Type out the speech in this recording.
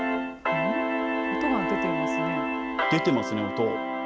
出てますね、音。